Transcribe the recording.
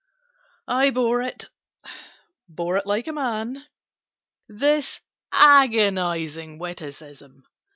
I bore it—bore it like a man— This agonizing witticism!